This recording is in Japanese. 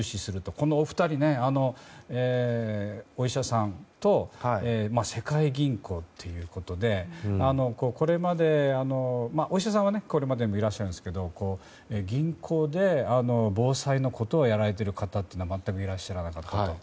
このお二人、お医者さんと世界銀行ということでお医者さんはこれまでもいらっしゃいますけど銀行で防災のことをやられている方というのは全くいらっしゃらなかったと。